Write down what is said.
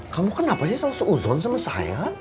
kamu kenapa sih selalu seuzon sama saya